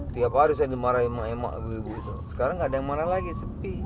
tiap hari saya dimarahin sama emak ibu ibu itu sekarang nggak ada yang marah lagi sepi